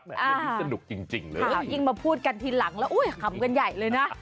สนุกจริงเลยยิ่งมาพูดกันทีหลังแล้วขำกันใหญ่เลยนะ